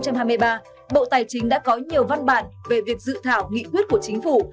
năm hai nghìn hai mươi ba bộ tài chính đã có nhiều văn bản về việc dự thảo nghị quyết của chính phủ